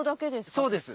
そうです。